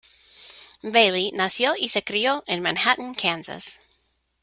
Bailey nació y se crió en Manhattan, Kansas.